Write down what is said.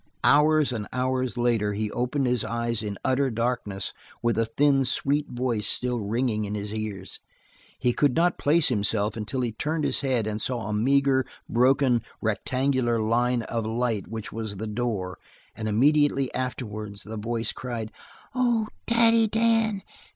Hours and hours later he opened his eyes in utter darkness with a thin, sweet voice still ringing in his ears. He could not place himself until he turned his head and saw a meager, broken, rectangular line of light which was the door, and immediately afterwards the voice cried: "Oh, Daddy Dan!